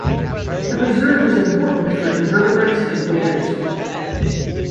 The reserve is important for invertebrates and waders.